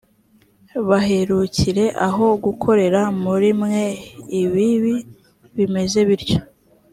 baherukire aho gukorera muri mwe ibibi bimeze bityo.